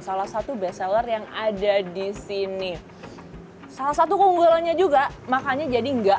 salah satu best seller yang ada di sini salah satu keunggulannya juga makanya jadi enggak